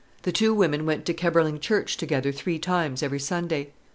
The two women went to Kemberling Church together three times every Sunday.